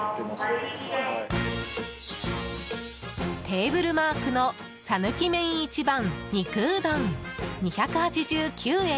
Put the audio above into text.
テーブルマークの讃岐麺一番肉うどん、２８９円。